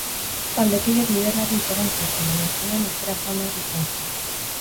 Taldekideak liderrari itxaron zioten, baina azkenean etxera joan behar izan zen.